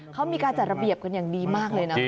เขามีการจัดระเบียบกันอย่างดีมากเลยนะ